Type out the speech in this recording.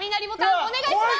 お願いします。